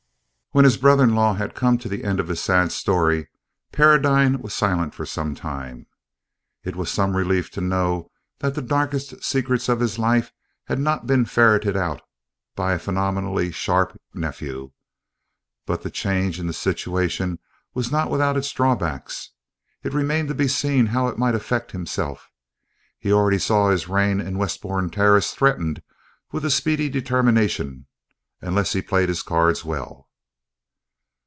When his brother in law had come to the end of his sad history, Paradine was silent for some time. It was some relief to know that the darkest secrets of his life had not been ferreted out by a phenomenally sharp nephew; but the change in the situation was not without its drawbacks it remained to be seen how it might affect himself. He already saw his reign in Westbourne Terrace threatened with a speedy determination unless he played his cards well.